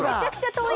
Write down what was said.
遠い？